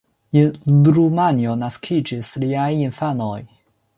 En Rumanio naskiĝis liaj infanoj.